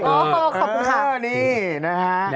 โอ้โหขอบคุณค่ะนี่นะฮะ